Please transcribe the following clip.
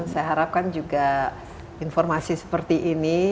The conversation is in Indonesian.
saya harapkan juga informasi seperti ini